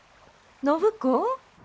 暢子？